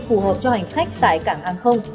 phù hợp cho hành khách tại cảng hàng không